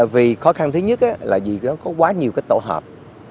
vì khó khăn thứ nhất là vì nó có quá nhiều cái tổ hợp